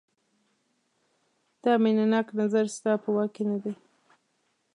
دا مینه ناک نظر ستا په واک کې نه دی.